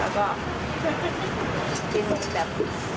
แล้วก็กินแบบ